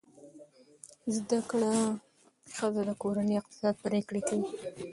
زده کړه ښځه د کورنۍ اقتصادي پریکړې کوي.